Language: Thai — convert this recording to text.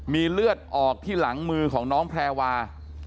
มีเลือดออกที่หลังมือของน้องแพรวา